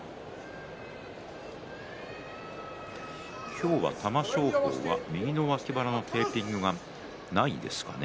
今日は玉正鳳は右の脇腹のテーピングがないですかね。